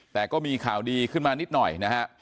แต่ก็มีข่าวดีขึ้นมานิดหน่อยนะฮะ